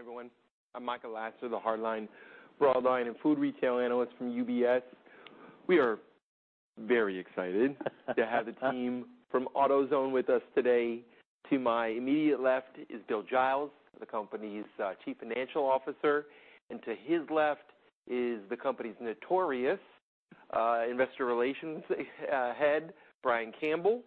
Hey, everyone. I'm Michael Lasser, the Hardline, Broadline, and Food Retail Analyst from UBS. We are very excited to have the team from AutoZone with us today. To my immediate left is Bill Giles, the company's Chief Financial Officer, and to his left is the company's notorious Investor Relations Head, Brian Campbell.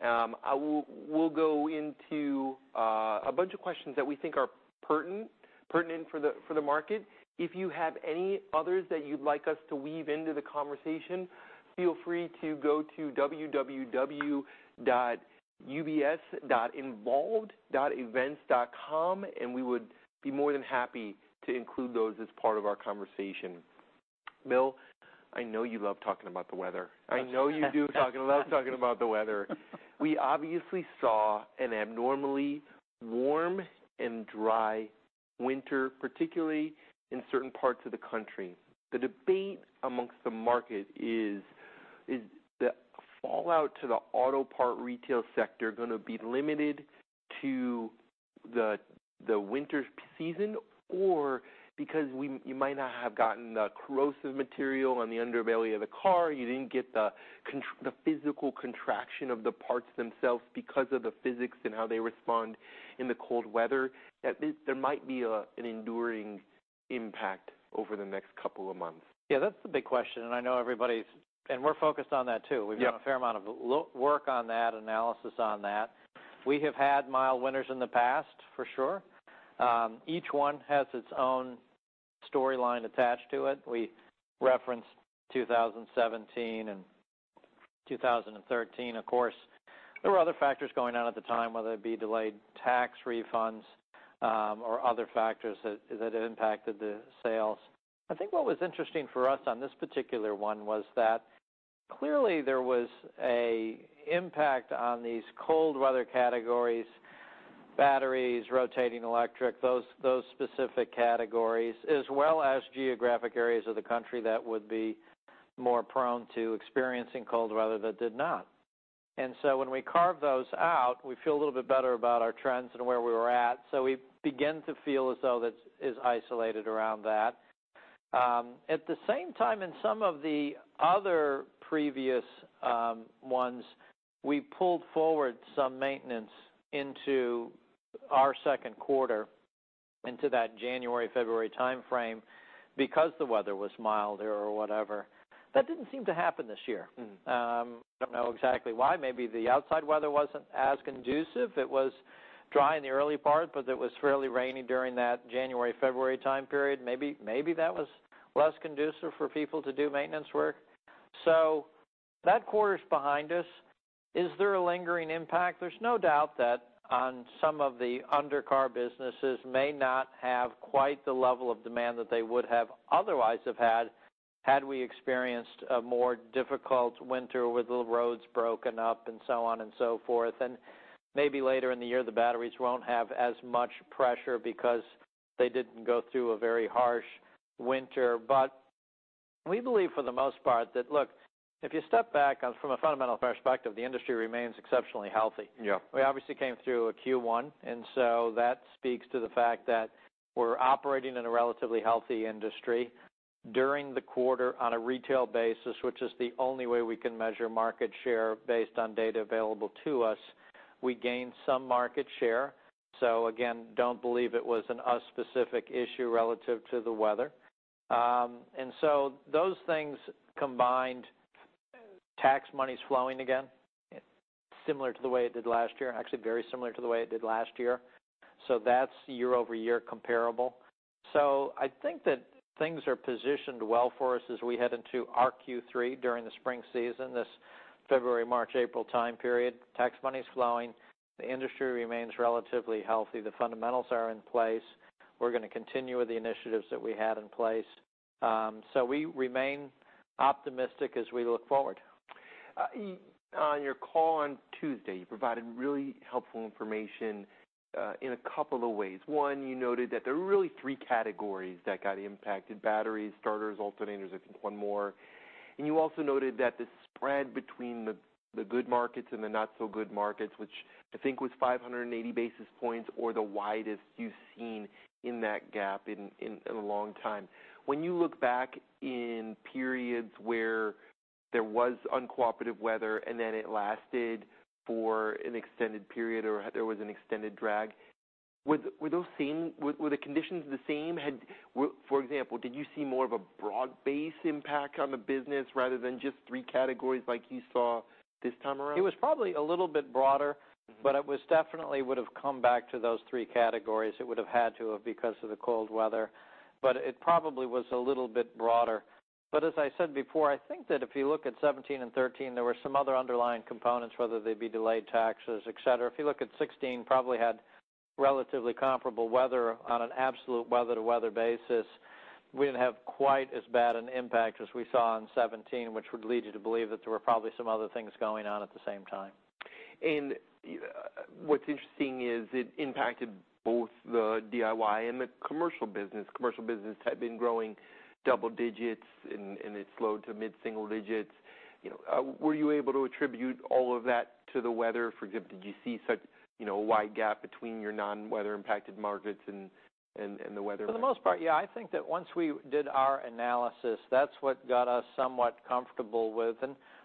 We'll go into a bunch of questions that we think are pertinent for the market. If you have any others that you'd like us to weave into the conversation, feel free to go to www.ubs.involved.events.com, and we would be more than happy to include those as part of our conversation. Bill, I know you love talking about the weather. I know you do love talking about the weather. We obviously saw an abnormally warm and dry winter, particularly in certain parts of the country. The debate amongst the market is the fallout to the auto part retail sector going to be limited to the winter season? Because you might not have gotten the corrosive material on the underbelly of the car, you didn't get the physical contraction of the parts themselves because of the physics and how they respond in the cold weather, there might be an enduring impact over the next couple of months. Yeah, that's the big question, and I know we're focused on that, too. Yep. We've done a fair amount of work on that, analysis on that. We have had mild winters in the past, for sure. Each one has its own storyline attached to it. We referenced 2017 and 2013, of course. There were other factors going on at the time, whether it be delayed tax refunds or other factors that impacted the sales. I think what was interesting for us on this particular one was that clearly there was a impact on these cold weather categories, batteries, rotating electric, those specific categories, as well as geographic areas of the country that would be more prone to experiencing cold weather that did not. When we carve those out, we feel a little bit better about our trends and where we were at. We begin to feel as though that is isolated around that. At the same time, in some of the other previous ones, we pulled forward some maintenance into our second quarter, into that January, February timeframe because the weather was milder or whatever. That didn't seem to happen this year. I don't know exactly why. Maybe the outside weather wasn't as conducive. It was dry in the early part, but it was fairly rainy during that January, February time period. Maybe that was less conducive for people to do maintenance work. That quarter is behind us. Is there a lingering impact? There's no doubt that on some of the undercar businesses may not have quite the level of demand that they would have otherwise have had we experienced a more difficult winter with the roads broken up and so on and so forth. Maybe later in the year, the batteries won't have as much pressure because they didn't go through a very harsh winter. We believe for the most part that, look, if you step back from a fundamental perspective, the industry remains exceptionally healthy. Yeah. We obviously came through a Q1, and so that speaks to the fact that we're operating in a relatively healthy industry. During the quarter on a retail basis, which is the only way we can measure market share based on data available to us, we gained some market share. Again, don't believe it was an us specific issue relative to the weather. Those things combined, tax money's flowing again, similar to the way it did last year, actually very similar to the way it did last year. That's year-over-year comparable. I think that things are positioned well for us as we head into our Q3 during the spring season, this February, March, April time period. Tax money's flowing. The industry remains relatively healthy. The fundamentals are in place. We're going to continue with the initiatives that we had in place. We remain optimistic as we look forward. On your call on Tuesday, you provided really helpful information in a couple of ways. One, you noted that there are really three categories that got impacted, batteries, starters, alternators, I think one more. You also noted that the spread between the good markets and the not so good markets, which I think was 580 basis points or the widest you've seen in that gap in a long time. When you look back in periods where there was uncooperative weather and then it lasted for an extended period or there was an extended drag, were the conditions the same? For example, did you see more of a broad-based impact on the business rather than just three categories like you saw this time around? It was probably a little bit broader. It was definitely would've come back to those three categories. It would've had to have because of the cold weather. It probably was a little bit broader. As I said before, I think that if you look at 2017 and 2013, there were some other underlying components, whether they be delayed taxes, et cetera. If you look at 2016, probably had relatively comparable weather on an absolute weather-to-weather basis. We didn't have quite as bad an impact as we saw in 2017, which would lead you to believe that there were probably some other things going on at the same time. What's interesting is it impacted both the DIY and the commercial business. Commercial business had been growing double digits, and it slowed to mid-single digits. Were you able to attribute all of that to the weather? For example, did you see such a wide gap between your non-weather impacted markets and the weather? For the most part, yeah. I think that once we did our analysis, that's what got us somewhat comfortable with.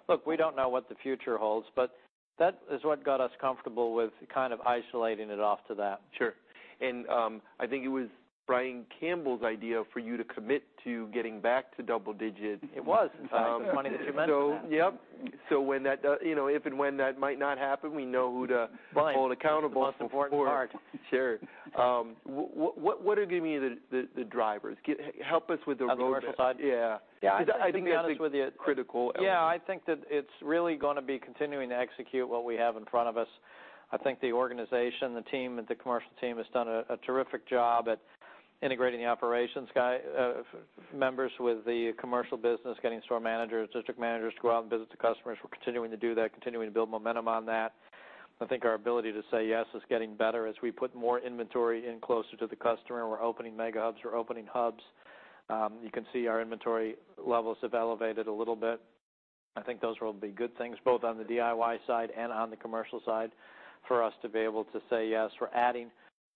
Look, we don't know what the future holds, but that is what got us comfortable with kind of isolating it off to that. Sure. I think it was Brian Campbell's idea for you to commit to getting back to double digit. It was. In fact, it was funny that you mention that. Yep. If and when that might not happen, we know who to- Right hold accountable. The most important part. Sure. What are going to be the drivers? Help us with. On the commercial side? Yeah. Yeah. To be honest with you. I think that's a critical element. yeah, I think that it's really going to be continuing to execute what we have in front of us. I think the organization, the team, and the commercial team, has done a terrific job at integrating the operations members with the commercial business, getting store managers, district managers to go out and visit the customers. We're continuing to do that, continuing to build momentum on that. I think our ability to say yes is getting better as we put more inventory in closer to the customer. We're opening mega hubs. We're opening hubs. You can see our inventory levels have elevated a little bit. I think those will be good things, both on the DIY side and on the commercial side, for us to be able to say yes. We're adding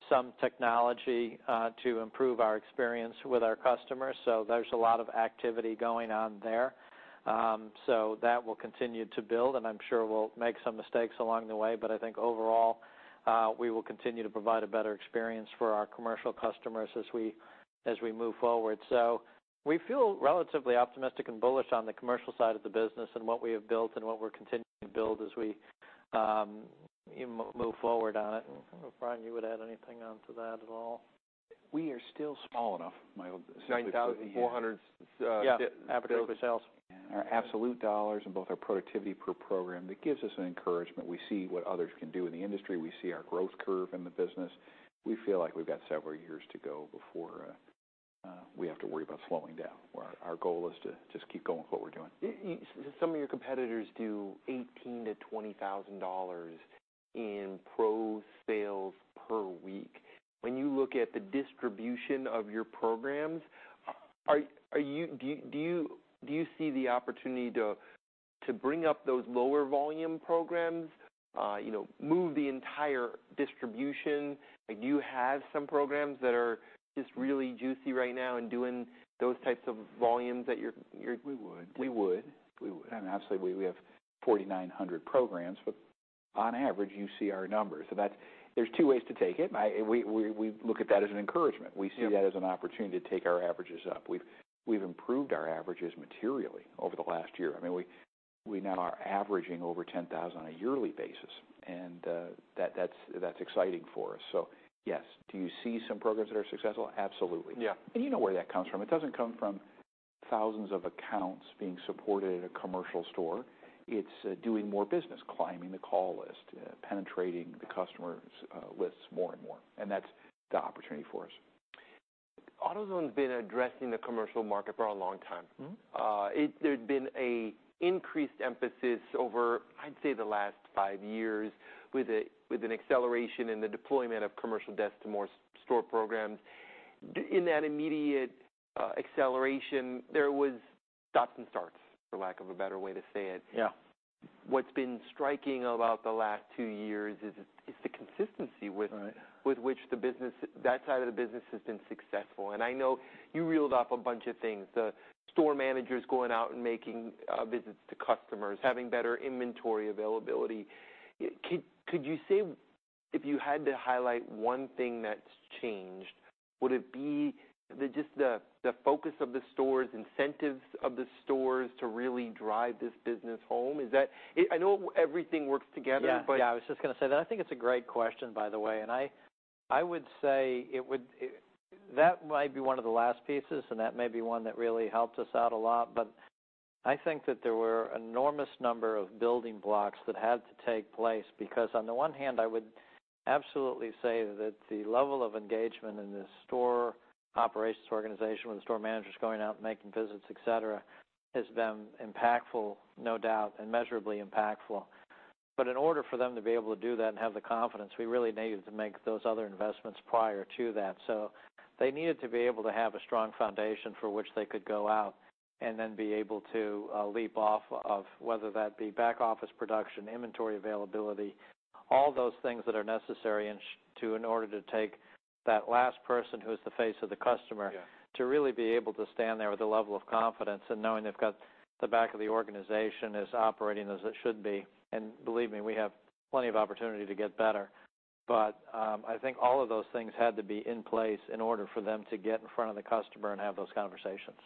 some technology to improve our experience with our customers. There's a lot of activity going on there. That will continue to build, and I'm sure we'll make some mistakes along the way, but I think overall, we will continue to provide a better experience for our commercial customers as we move forward. We feel relatively optimistic and bullish on the commercial side of the business and what we have built and what we're continuing to build as we move forward on it. I don't know, Brian, you would add anything onto that at all? We are still small enough, Mike. 9,400- Yeah average sales. Our absolute dollars in both our productivity per program, that gives us an encouragement. We see what others can do in the industry. We see our growth curve in the business. We feel like we've got several years to go before we have to worry about slowing down, where our goal is to just keep going with what we're doing. Some of your competitors do $18,000-$20,000 in pro sales per week. When you look at the distribution of your programs, do you see the opportunity to bring up those lower volume programs, move the entire distribution? Do you have some programs that are just really juicy right now and doing those types of volumes? We would. We would. We would. Obviously, we have 4,900 programs, on average, you see our numbers. There's two ways to take it, and we look at that as an encouragement. Yeah. We see that as an opportunity to take our averages up. We've improved our averages materially over the last year. We now are averaging over 10,000 on a yearly basis, and that's exciting for us. Yes. Do you see some programs that are successful? Absolutely. Yeah. You know where that comes from. It doesn't come from thousands of accounts being supported at a commercial store. It's doing more business, climbing the call list, penetrating the customer lists more and more, and that's the opportunity for us. AutoZone's been addressing the commercial market for a long time. There's been an increased emphasis over, I'd say, the last five years with an acceleration in the deployment of commercial desks to more store programs. In that immediate acceleration, there was stops and starts, for lack of a better way to say it. Yeah. What's been striking about the last two years is the consistency Right with which that side of the business has been successful, and I know you reeled off a bunch of things, the store managers going out and making visits to customers, having better inventory availability. Could you say, if you had to highlight one thing that's changed, would it be just the focus of the stores, incentives of the stores to really drive this business home? I know everything works together. Yeah, I was just going to say that I think it's a great question, by the way, and I would say that might be one of the last pieces, and that may be one that really helped us out a lot. I think that there were enormous number of building blocks that had to take place because, on the one hand, I would absolutely say that the level of engagement in the store operations organization, with the store managers going out and making visits, et cetera, has been impactful, no doubt, and measurably impactful. In order for them to be able to do that and have the confidence, we really needed to make those other investments prior to that. They needed to be able to have a strong foundation for which they could go out and then be able to leap off of, whether that be back office production, inventory availability, all those things that are necessary in order to take that last person who is the face of the customer. Yeah to really be able to stand there with a level of confidence and knowing they've got the back of the organization as operating as it should be. Believe me, we have plenty of opportunity to get better. I think all of those things had to be in place in order for them to get in front of the customer and have those conversations.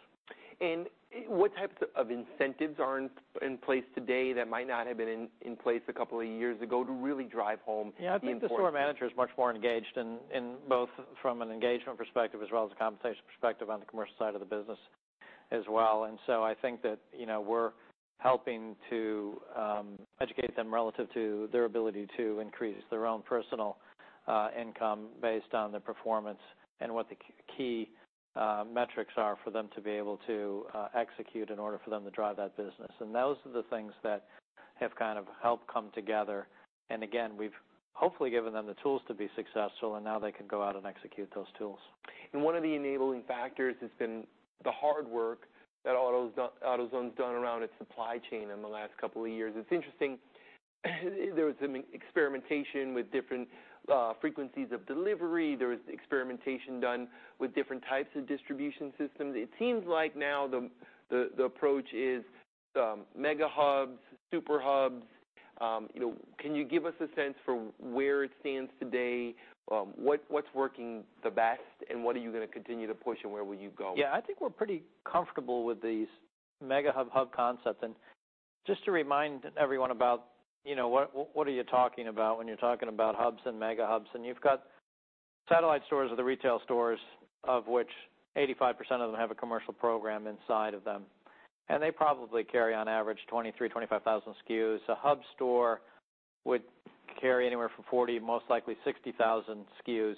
What types of incentives are in place today that might not have been in place a couple of years ago to really drive home the importance? Yeah, I think the store manager is much more engaged in both from an engagement perspective as well as a compensation perspective on the commercial side of the business as well. I think that we're helping to educate them relative to their ability to increase their own personal income based on their performance and what the key metrics are for them to be able to execute in order for them to drive that business. Those are the things that have kind of helped come together. Again, we've hopefully given them the tools to be successful, and now they can go out and execute those tools. One of the enabling factors has been the hard work that AutoZone's done around its supply chain in the last couple of years. It's interesting, there was some experimentation with different frequencies of delivery. There was experimentation done with different types of distribution systems. It seems like now the approach is mega hubs, super hubs. Can you give us a sense for where it stands today? What's working the best, what are you going to continue to push, and where will you go? Yeah. I think we're pretty comfortable with these mega hub concepts. Just to remind everyone about what are you talking about when you're talking about hubs and mega hubs, and you've got satellite stores are the retail stores of which 85% of them have a commercial program inside of them, and they probably carry on average 23,000-25,000 SKUs. A hub store would carry anywhere from 40,000, most likely 60,000 SKUs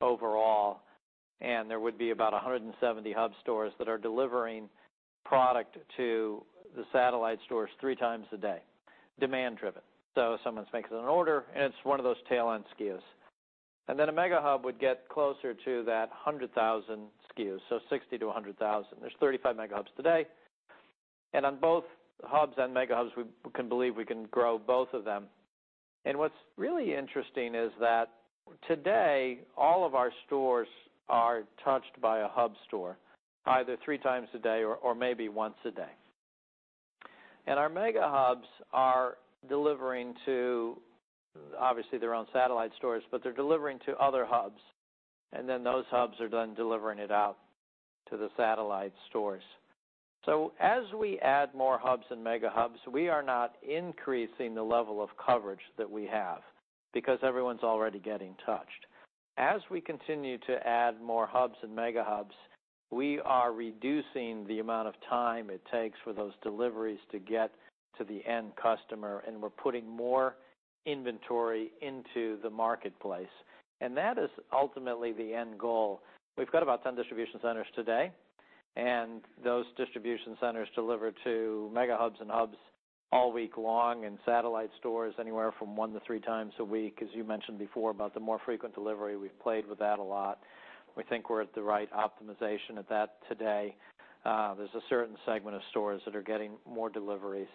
overall, and there would be about 170 hub stores that are delivering product to the satellite stores three times a day, demand driven. Someone's making an order, and it's one of those tail-end SKUs. Then a mega hub would get closer to that 100,000 SKUs, so 60,000-100,000. There's 35 mega hubs today. On both hubs and mega hubs, we can believe we can grow both of them. What's really interesting is that today, all of our stores are touched by a hub store either three times a day or maybe once a day. Our mega hubs are delivering to, obviously their own satellite stores, but they're delivering to other hubs, and then those hubs are then delivering it out to the satellite stores. As we add more hubs and mega hubs, we are not increasing the level of coverage that we have because everyone's already getting touched. As we continue to add more hubs and mega hubs, we are reducing the amount of time it takes for those deliveries to get to the end customer, and we're putting more inventory into the marketplace. That is ultimately the end goal. We've got about 10 distribution centers today. Those distribution centers deliver to mega hubs and hubs all week long, and satellite stores anywhere from one to three times a week. As you mentioned before about the more frequent delivery, we've played with that a lot. We think we're at the right optimization at that today. There's a certain segment of stores that are getting more deliveries.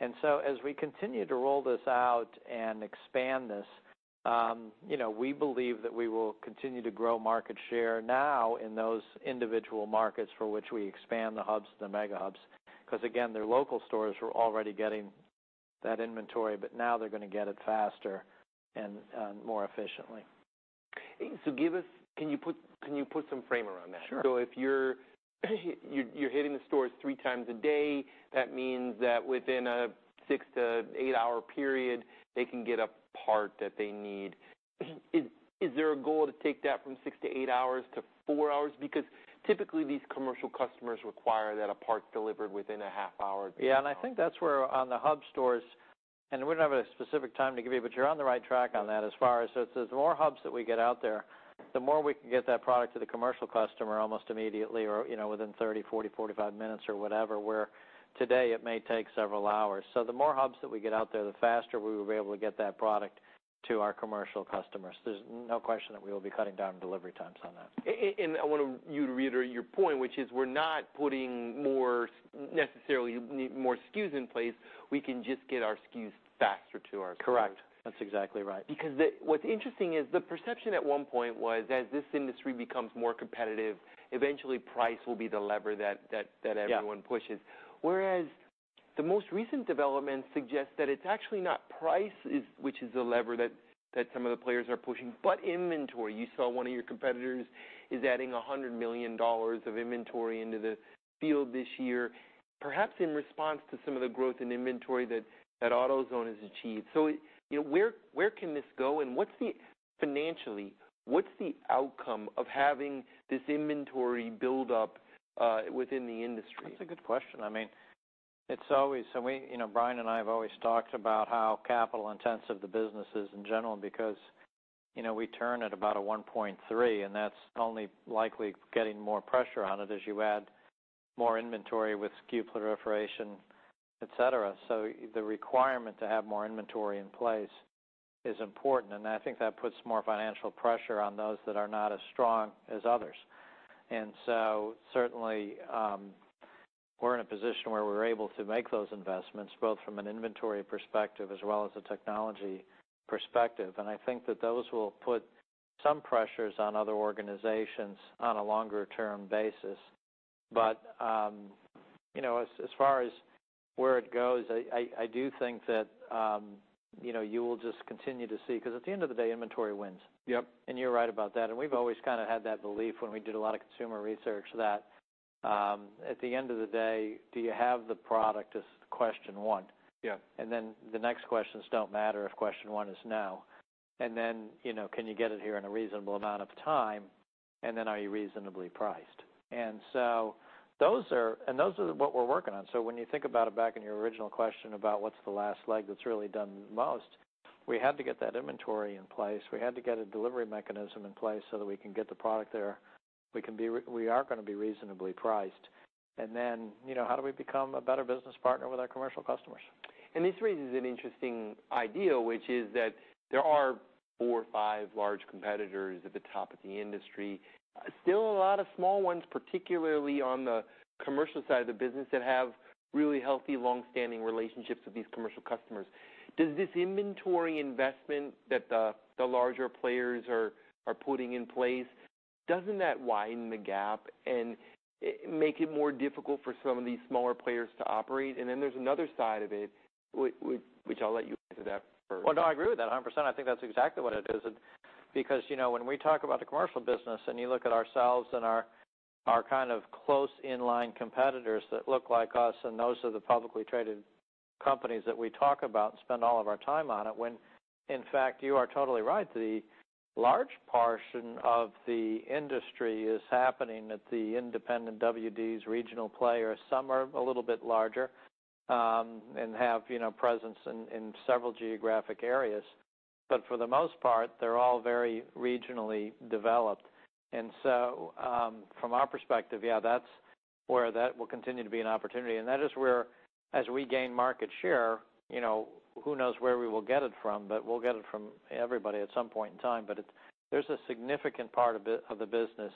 As we continue to roll this out and expand this, we believe that we will continue to grow market share now in those individual markets for which we expand the hubs and the mega hubs, because again, their local stores were already getting that inventory, but now they're going to get it faster and more efficiently. Can you put some frame around that? Sure. If you're hitting the stores three times a day, that means that within a six to eight-hour period, they can get a part that they need. Is there a goal to take that from six to eight hours to four hours? Because typically these commercial customers require that a part delivered within a half hour. I think that's where on the hub stores, and we don't have a specific time to give you, but you're on the right track on that as far as, so it's the more hubs that we get out there, the more we can get that product to the commercial customer almost immediately or within 30-40-45 minutes or whatever, where today it may take several hours. The more hubs that we get out there, the faster we will be able to get that product to our commercial customers. There's no question that we will be cutting down delivery times on that. I want you to reiterate your point, which is we're not putting necessarily more SKUs in place. We can just get our SKUs faster to our stores. Correct. That's exactly right. What's interesting is the perception at one point was as this industry becomes more competitive, eventually price will be the lever that everyone pushes. Yeah. Whereas the most recent development suggests that it's actually not price which is the lever that some of the players are pushing, but inventory. You saw one of your competitors is adding $100 million of inventory into the field this year, perhaps in response to some of the growth in inventory that AutoZone has achieved. Where can this go, and financially, what's the outcome of having this inventory build up, within the industry? That's a good question. Brian and I have always talked about how capital intensive the business is in general because we turn at about a 1.3x, and that's only likely getting more pressure on it as you add more inventory with SKU proliferation, et cetera. The requirement to have more inventory in place is important, and I think that puts more financial pressure on those that are not as strong as others. Certainly, we're in a position where we're able to make those investments, both from an inventory perspective as well as a technology perspective. I think that those will put some pressures on other organizations on a longer-term basis. As far as where it goes, I do think that you will just continue to see, because at the end of the day, inventory wins. Yep. You're right about that, and we've always kind of had that belief when we did a lot of consumer research that, at the end of the day, do you have the product is question one. Yeah. The next questions don't matter if question one is no. Can you get it here in a reasonable amount of time, and then are you reasonably priced? Those are what we're working on. When you think about it back in your original question about what's the last leg that's really done the most? We had to get that inventory in place. We had to get a delivery mechanism in place so that we can get the product there. We are going to be reasonably priced. How do we become a better business partner with our commercial customers? This raises an interesting idea, which is that there are four or five large competitors at the top of the industry. Still a lot of small ones, particularly on the commercial side of the business, that have really healthy, long-standing relationships with these commercial customers. Does this inventory investment that the larger players are putting in place, doesn't that widen the gap and make it more difficult for some of these smaller players to operate? Then there's another side of it, which I'll let you answer that first. Well, no, I agree with that 100%. I think that's exactly what it is. When we talk about the commercial business and you look at ourselves and our kind of close in-line competitors that look like us, and those are the publicly traded companies that we talk about and spend all of our time on it, when, in fact, you are totally right, the large portion of the industry is happening at the independent WDs, regional players. Some are a little bit larger, and have presence in several geographic areas. For the most part, they're all very regionally developed. From our perspective, yeah, that's where that will continue to be an opportunity. That is where, as we gain market share, who knows where we will get it from, but we'll get it from everybody at some point in time. There's a significant part of the business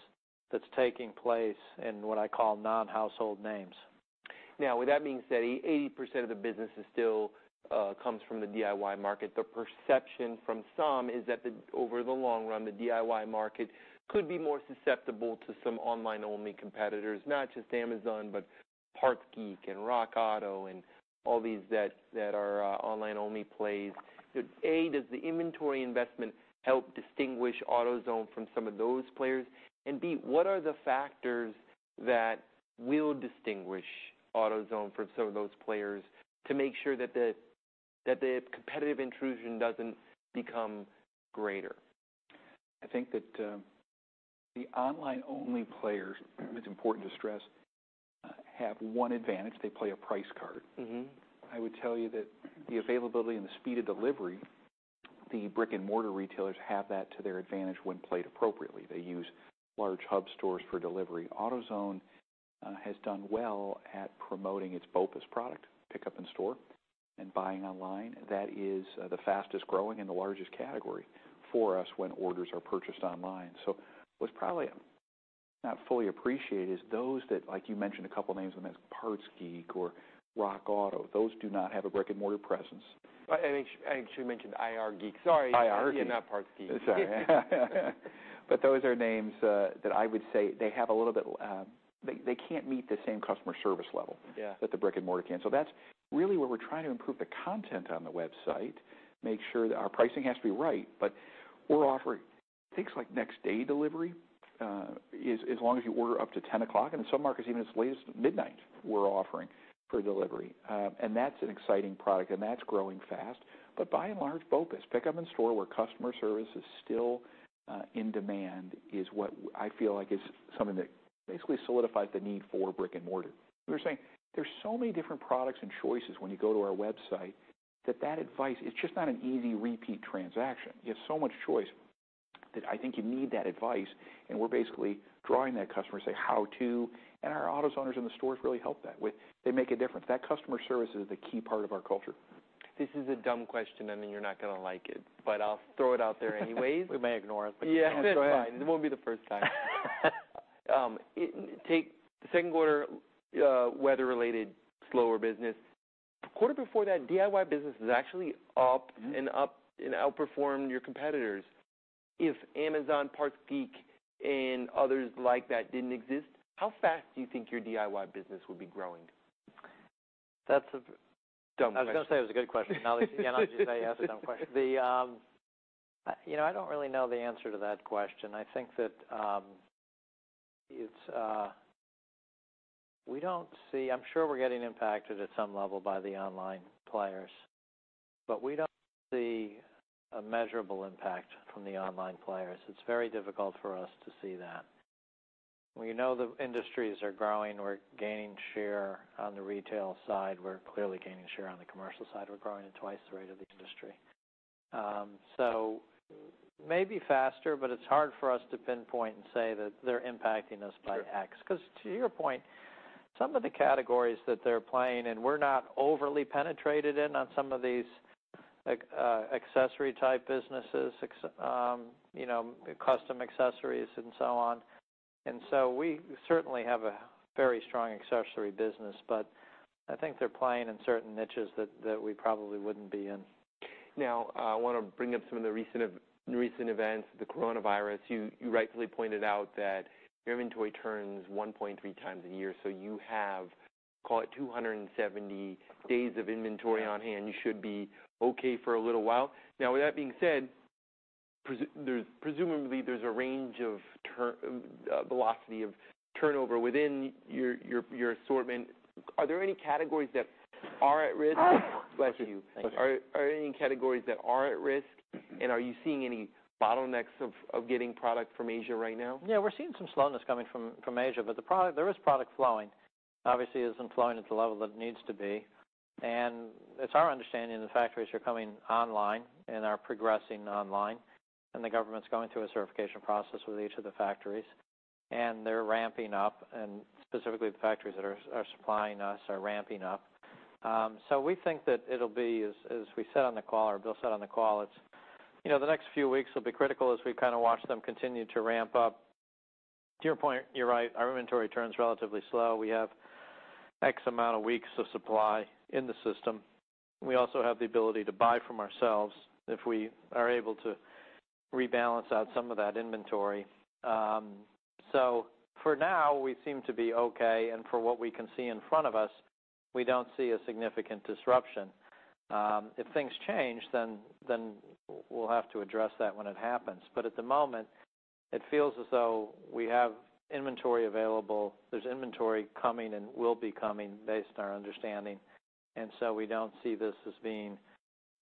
that's taking place in what I call non-household names. With that being said, 80% of the business still comes from the DIY market. The perception from some is that over the long run, the DIY market could be more susceptible to some online-only competitors, not just Amazon, but PartsGeek and RockAuto and all these that are online-only plays. A, does the inventory investment help distinguish AutoZone from some of those players? B, what are the factors that will distinguish AutoZone from some of those players to make sure that the competitive intrusion doesn't become greater? I think that the online-only players, it's important to stress, have one advantage. They play a price card. I would tell you that the availability and the speed of delivery, the brick-and-mortar retailers have that to their advantage when played appropriately. They use large hub stores for delivery. AutoZone has done well at promoting its BOPUS product, pickup in store and buying online. That is the fastest-growing and the largest category for us when orders are purchased online. What's probably not fully appreciated is those that, like you mentioned a couple of names, PartsGeek or RockAuto, those do not have a brick-and-mortar presence. I should mention ieGeek. Sorry. ieGeek. Not PartsGeek. That's all right. Those are names that I would say they can't meet the same customer service level Yeah that the brick-and-mortar can. That's really where we're trying to improve the content on the website, make sure that our pricing has to be right. We're offering things like next-day delivery, as long as you order up to 10:00 P.M., and in some markets, even as late as midnight, we're offering for delivery. That's an exciting product, and that's growing fast. By and large, BOPUS, pickup in store, where customer service is still in demand, is what I feel like is something that basically solidifies the need for brick-and-mortar. We were saying there's so many different products and choices when you go to our website that that advice, it's just not an easy repeat transaction. You have so much choice that I think you need that advice. We're basically drawing that customer, say how to. Our AutoZoners in the stores really help that with, they make a difference. That customer service is the key part of our culture. This is a dumb question, and then you're not going to like it, but I'll throw it out there anyways. We may ignore it, but go ahead. Yeah, that's fine. It won't be the first time. Take the second quarter, weather-related slower business. The quarter before that, DIY business is actually up and up and outperformed your competitors. If Amazon, PartsGeek, and others like that didn't exist, how fast do you think your DIY business would be growing? That's a dumb question. I was going to say it was a good question. Now, I'll just say, yes, a dumb question. I don't really know the answer to that question. I'm sure we're getting impacted at some level by the online players, but we don't see a measurable impact from the online players. It's very difficult for us to see that. We know the industries are growing. We're gaining share on the retail side. We're clearly gaining share on the commercial side. We're growing at twice the rate of the industry. Maybe faster, but it's hard for us to pinpoint and say that they're impacting us by x. To your point, some of the categories that they're playing in, we're not overly penetrated in on some of these accessory type businesses, custom accessories and so on. We certainly have a very strong accessory business, but I think they're playing in certain niches that we probably wouldn't be in. I want to bring up some of the recent events, the coronavirus. You rightfully pointed out that your inventory turns 1.3x a year, so you have, call it 270 days of inventory on hand. You should be okay for a little while. With that being said, presumably, there's a range of velocity of turnover within your assortment. Are there any categories that are at risk? Bless you. Thank you. Are there any categories that are at risk? Are you seeing any bottlenecks of getting product from Asia right now? Yeah, we're seeing some slowness coming from Asia, but there is product flowing. Obviously, it isn't flowing at the level that it needs to be. It's our understanding the factories are coming online and are progressing online, and the government's going through a certification process with each of the factories. They're ramping-up, and specifically the factories that are supplying us are ramping-up. We think that it'll be, as we said on the call, or Bill said on the call, the next few weeks will be critical as we watch them continue to ramp up. To your point, you're right. Our inventory turns relatively slow. We have x amount of weeks of supply in the system, and we also have the ability to buy from ourselves if we are able to rebalance out some of that inventory. For now, we seem to be okay, and for what we can see in front of us, we don't see a significant disruption. If things change, then we'll have to address that when it happens. At the moment, it feels as though we have inventory available. There's inventory coming and will be coming based on our understanding, and so we don't see this as being,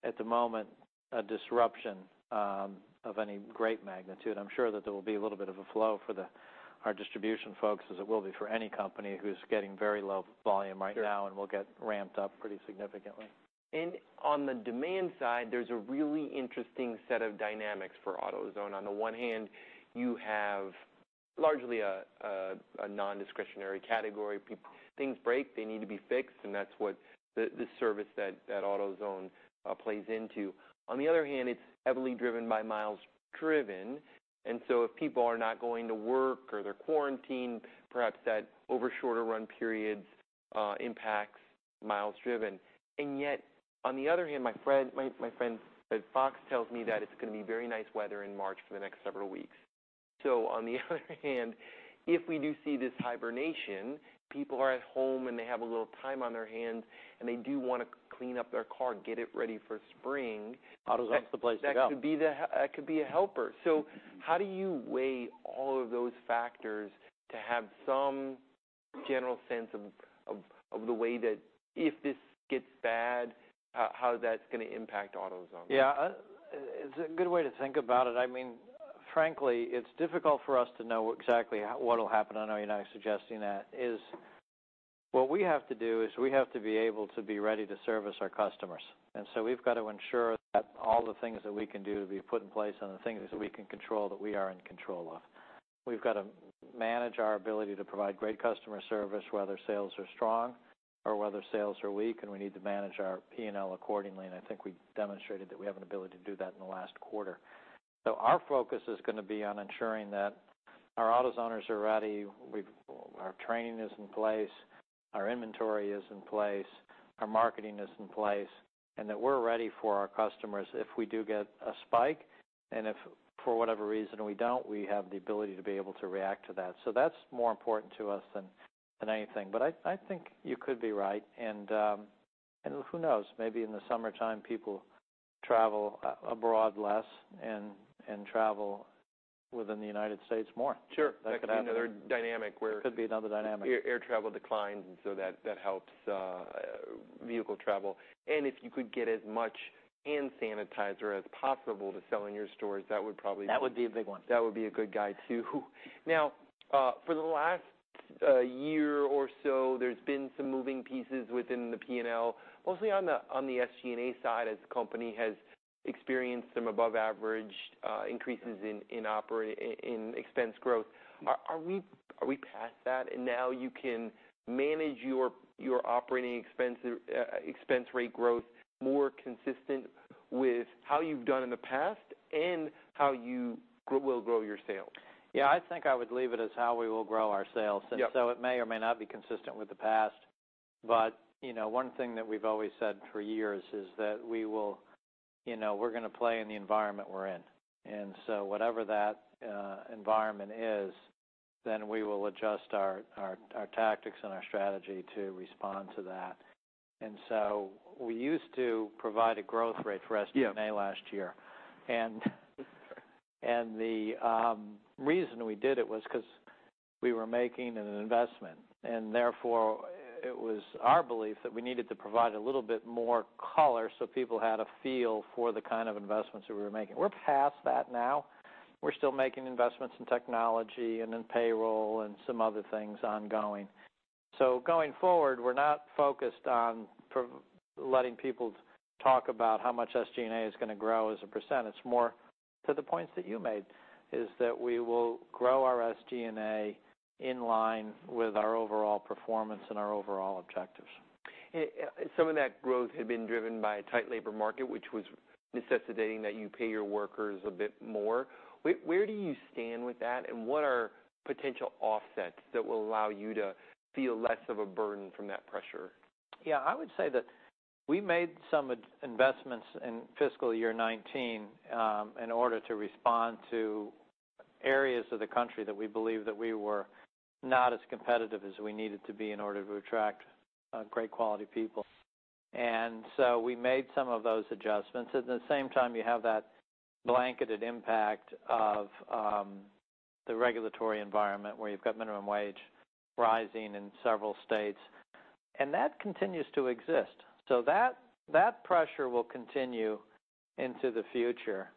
at the moment, a disruption of any great magnitude. I'm sure that there will be a little bit of a flow for our distribution folks as it will be for any company who's getting very low volume right now. Sure Will get ramped-up pretty significantly. On the demand side, there's a really interesting set of dynamics for AutoZone. On the one hand, you have largely a non-discretionary category. If things break, they need to be fixed, and that's what the service that AutoZone plays into. On the other hand, it's heavily driven by miles driven. If people are not going to work or they're quarantined, perhaps that, over shorter run periods, impacts miles driven. On the other hand, my friend at Fox tells me that it's going to be very nice weather in March for the next several weeks. On the other hand, if we do see this hibernation, people are at home and they have a little time on their hands and they do want to clean up their car and get it ready for spring. AutoZone's the place to go. that could be a helper. How do you weigh all of those factors to have some general sense of the way that if this gets bad, how that's going to impact AutoZone? Yeah. It's a good way to think about it. Frankly, it's difficult for us to know exactly what'll happen. I know you're not suggesting that. What we have to do is we have to be able to be ready to service our customers. We've got to ensure that all the things that we can do be put in place and the things that we can control that we are in control of. We've got to manage our ability to provide great customer service, whether sales are strong or whether sales are weak, and we need to manage our P&L accordingly, and I think we've demonstrated that we have an ability to do that in the last quarter. Our focus is going to be on ensuring that our AutoZoners are ready, our training is in place, our inventory is in place, our marketing is in place, and that we're ready for our customers if we do get a spike. If, for whatever reason, we don't, we have the ability to be able to react to that. That's more important to us than anything. I think you could be right, and who knows? Maybe in the summertime, people travel abroad less and travel within the United States more. Sure. That could happen. That could be another dynamic. It could be another dynamic. Air travel declines. That helps vehicle travel. If you could get as much hand sanitizer as possible to sell in your stores. That would be a big one. that would be a good guy too. For the last year or so, there's been some moving pieces within the P&L, mostly on the SG&A side as the company has experienced some above-average increases in expense growth. Are we past that and now you can manage your operating expense rate growth more consistent with how you've done in the past and how you will grow your sales? Yeah, I think I would leave it as how we will grow our sales. Yep. It may or may not be consistent with the past, but one thing that we've always said for years is that we're going to play in the environment we're in. Whatever that environment is, then we will adjust our tactics and our strategy to respond to that. We used to provide a growth rate for SG&A last year. Yeah. The reason we did it was because we were making an investment. Therefore, it was our belief that we needed to provide a little bit more color so people had a feel for the kind of investments that we were making. We're past that now. We're still making investments in technology and in payroll and some other things ongoing. Going forward, we're not focused on letting people talk about how much SG&A is going to grow as a percent. It's more to the points that you made, is that we will grow our SG&A in line with our overall performance and our overall objectives. Some of that growth had been driven by a tight labor market, which was necessitating that you pay your workers a bit more. Where do you stand with that, and what are potential offsets that will allow you to feel less of a burden from that pressure? Yeah. I would say that we made some investments in fiscal year 2019 in order to respond to areas of the country that we believe that we were not as competitive as we needed to be in order to attract great quality people. We made some of those adjustments. At the same time, you have that blanketed impact of the regulatory environment where you've got minimum wage rising in several states. That continues to exist. That pressure will continue into the future.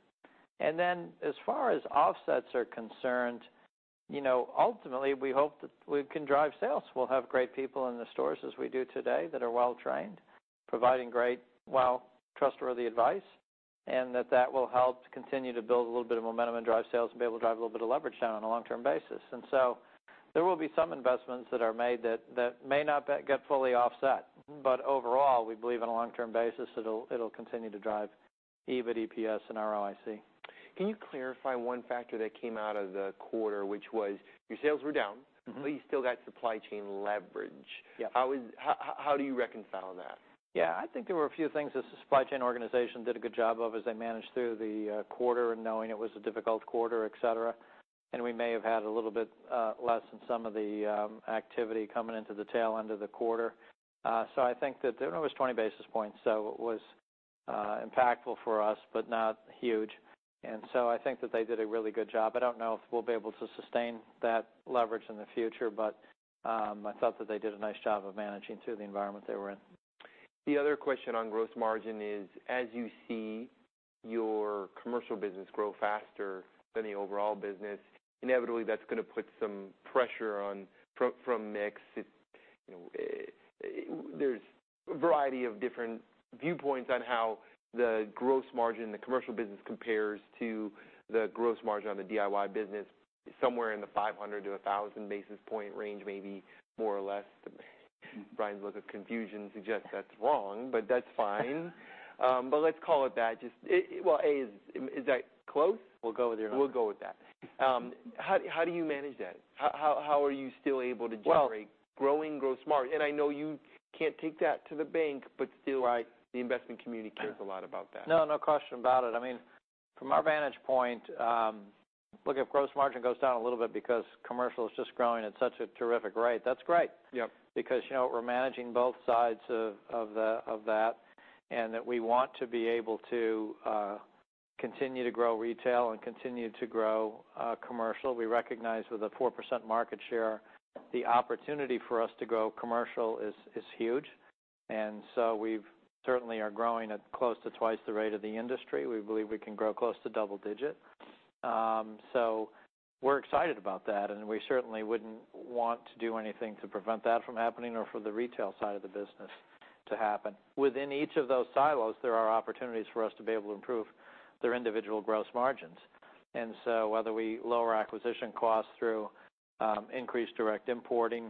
As far as offsets are concerned, ultimately, we hope that we can drive sales. We'll have great people in the stores as we do today that are well-trained, providing great, well, trustworthy advice, and that will help to continue to build a little bit of momentum and drive sales and be able to drive a little bit of leverage down on a long-term basis. There will be some investments that are made that may not get fully offset. Overall, we believe on a long-term basis, it'll continue to drive EBIT, EPS, and ROIC. Can you clarify one factor that came out of the quarter, which was your sales were down. You still got supply chain leverage. Yeah. How do you reconcile that? Yeah. I think there were a few things the supply chain organization did a good job of as they managed through the quarter and knowing it was a difficult quarter, et cetera, and we may have had a little bit less in some of the activity coming into the tail end of the quarter. I think that it was 20 basis points, so it was impactful for us, but not huge. I think that they did a really good job. I don't know if we'll be able to sustain that leverage in the future, but I thought that they did a nice job of managing through the environment they were in. The other question on gross margin is, as you see your commercial business grow faster than the overall business, inevitably that's gonna put some pressure on from mix. There's a variety of different viewpoints on how the gross margin in the commercial business compares to the gross margin on the DIY business, somewhere in the 500 basis points-1,000 basis point range, maybe more or less. Brian's look of confusion suggests that's wrong, but that's fine. Let's call it that. Well, A, is that close? We'll go with it. We'll go with that. How do you manage that? How are you still able to generate- Well- growing gross margin? I know you can't take that to the bank, but still. Right the investment community cares a lot about that. No, no question about it. From our vantage point, look, if gross margin goes down a little bit because commercial is just growing at such a terrific rate, that's great. Yep. We're managing both sides of that, and that we want to be able to continue to grow retail and continue to grow commercial. We recognize with a 4% market share, the opportunity for us to grow commercial is huge. We certainly are growing at close to twice the rate of the industry. We believe we can grow close to double-digit. We're excited about that, and we certainly wouldn't want to do anything to prevent that from happening or for the retail side of the business to happen. Within each of those silos, there are opportunities for us to be able to improve their individual gross margins. Whether we lower acquisition costs through increased direct importing,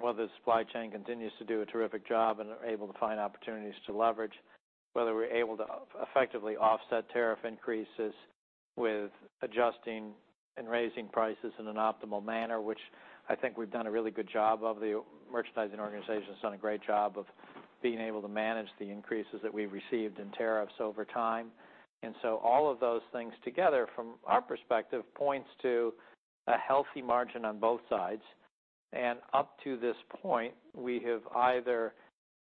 whether the supply chain continues to do a terrific job and are able to find opportunities to leverage, whether we're able to effectively offset tariff increases with adjusting and raising prices in an optimal manner, which I think we've done a really good job of. The merchandising organization's done a great job of being able to manage the increases that we've received in tariffs over time. All of those things together, from our perspective, points to a healthy margin on both sides. Up to this point, we have either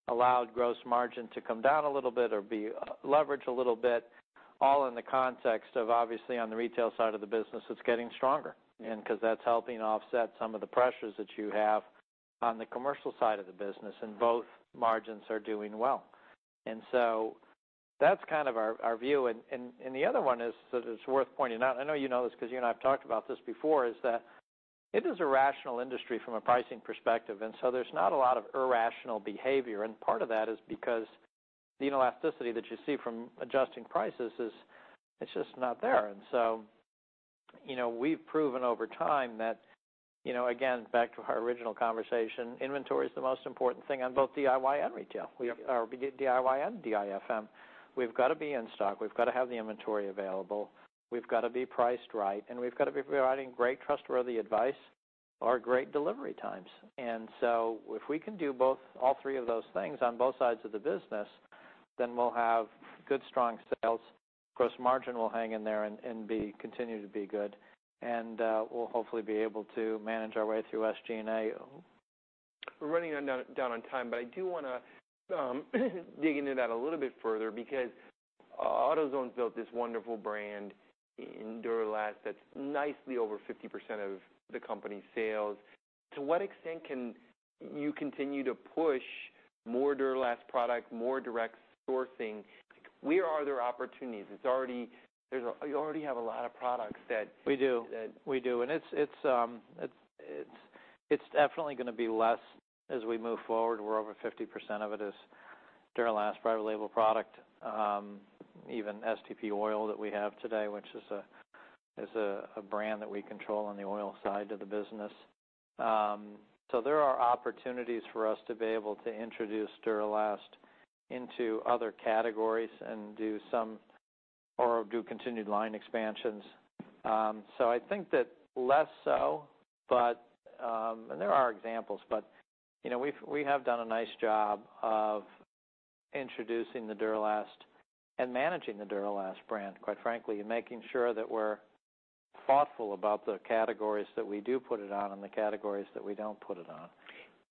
allowed gross margin to come down a little bit or be leveraged a little bit, all in the context of, obviously, on the retail side of the business, it's getting stronger. Because that's helping offset some of the pressures that you have on the commercial side of the business, and both margins are doing well. That's kind of our view. The other one that is worth pointing out, I know you know this because you and I have talked about this before, is that it is a rational industry from a pricing perspective, and so there's not a lot of irrational behavior. Part of that is because the elasticity that you see from adjusting prices is just not there. So we've proven over time that, again, back to our original conversation, inventory is the most important thing on both DIY and retail. Yep. DIY and DIFM. We've got to be in stock, we've got to have the inventory available, we've got to be priced right, and we've got to be providing great trustworthy advice or great delivery times. If we can do both, all three of those things on both sides of the business, we'll have good strong sales. Gross margin will hang in there and continue to be good. We'll hopefully be able to manage our way through SG&A. We're running down on time, but I do want to dig into that a little bit further because AutoZone's built this wonderful brand in Duralast that's nicely over 50% of the company's sales. To what extent can you continue to push more Duralast product, more direct sourcing? Where are there opportunities? You already have a lot of products that. We do. that- We do. It's definitely gonna be less as we move forward, where over 50% of it is Duralast private label product. Even STP oil that we have today, which is a brand that we control on the oil side of the business. There are opportunities for us to be able to introduce Duralast into other categories and do some or do continued line expansions. I think that less so, but there are examples, but we have done a nice job of introducing the Duralast and managing the Duralast brand, quite frankly, and making sure that we're thoughtful about the categories that we do put it on and the categories that we don't put it on.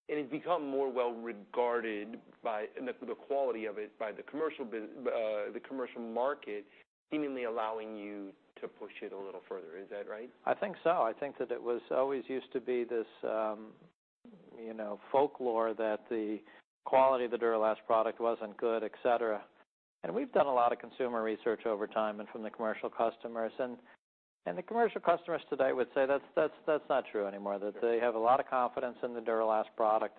It's become more well-regarded by the quality of it by the commercial market seemingly allowing you to push it a little further. Is that right? I think so. I think that it always used to be this folklore that the quality of the Duralast product wasn't good, et cetera. We've done a lot of consumer research over time and from the commercial customers, and the commercial customers today would say that's not true anymore, that they have a lot of confidence in the Duralast product.